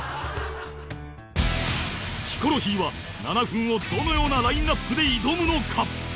ヒコロヒーは７分をどのようなラインアップで挑むのか？